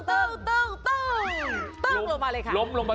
ตึงตึง